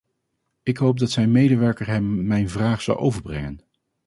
Ik hoop dat zijn medewerker hem mijn vraag zal overbrengen.